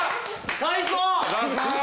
最高！